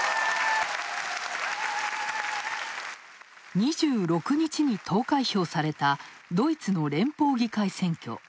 ２６日に投開票されたドイツの連邦議会選挙。